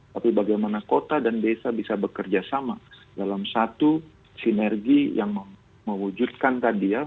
tapi bagaimana kota dan desa bisa bekerja sama dalam satu sinergi yang mewujudkan tadi ya